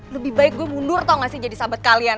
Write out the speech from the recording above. lebih baik gue mundur tau gak sih jadi sahabat kalian